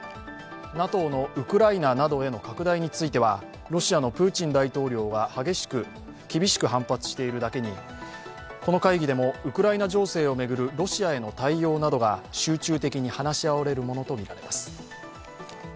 ＮＡＴＯのウクライナなどへの拡大についてはロシアのプーチン大統領が厳しく反発しているだけにこの会議でもウクライナ情勢を巡るロシアへの対応などが集中的に話し合われるものとみられます。